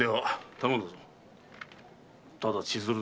ただ千鶴殿。